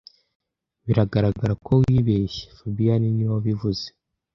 Biragaragara ko wibeshye fabien niwe wabivuze